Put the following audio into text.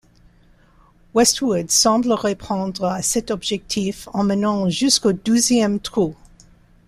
Westwood semble répondre à cet objectif en menant jusqu'au douzième trou.